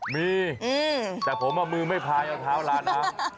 มีแต่ผมเอามือไม้พายเอาเท้าร้านนะ